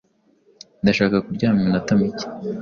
Ndashaka kuryama iminota mike.